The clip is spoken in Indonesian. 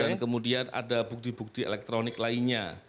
dan kemudian ada bukti bukti elektronik lainnya